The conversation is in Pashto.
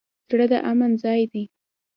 زړه د امن ځای دی.